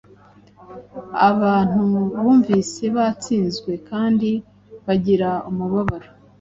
Abantu bumvise batsinzwe kandi bagira umubabaro. “